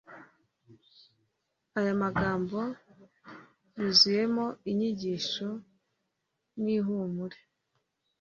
Aya magambo yuzuyemo inyigisho n'ihumure.